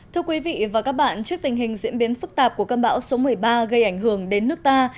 thưa quý vị và các bạn trước tình hình diễn biến phức tạp của cơn bão số một mươi ba gây ảnh hưởng đến nước ta